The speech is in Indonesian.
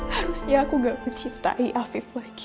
harusnya aku gak mencintai afif lagi